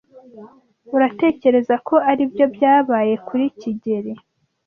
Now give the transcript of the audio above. Uratekereza ko aribyo byabaye kuri kigeli?